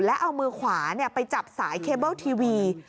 แล้วเอามือขวาไปจับสายเคเบิ้ลทีวี